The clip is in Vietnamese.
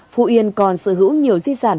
phú yên còn sở hữu nhiều di sản